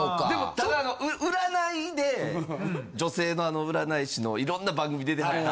ただ占いで女性の占い師の色んな番組出てはった。